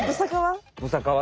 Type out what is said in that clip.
ブサカワ？